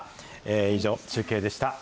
以上、中継でした。